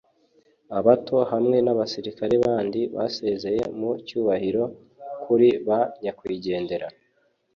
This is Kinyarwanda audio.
Abato hamwe n’abasirikare bandi basezeye mu cyubahiro kuri ba Nyakwigendera